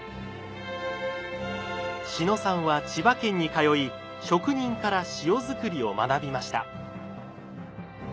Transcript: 志野さんは千葉県に通い職人から塩づくりを学びました。